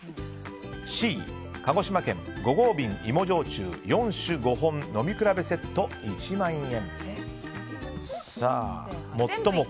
Ｃ、鹿児島県５合瓶、芋焼酎４種５本飲み比べセット、１万円。